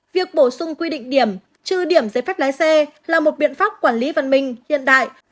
việc bổ sung quy định điểm trừ điểm giấy phép lái xe là một biện pháp quản lý văn minh hiện đại